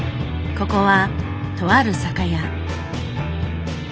ここはとある酒屋。